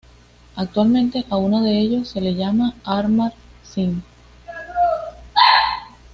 Actualmente, a uno de ello se le llama Amar-Sin.